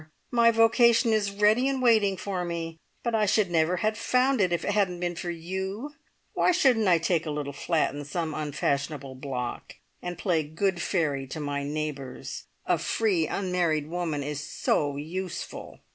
My vocation is ready and waiting for me, but I should never have found it if it hadn't been for you! Why shouldn't I take a little flat in some unfashionable block, and play good fairy to my neighbours? A free, unmarried woman is so useful!